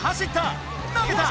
投げた！